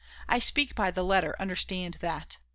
I speak by the letter, understand that.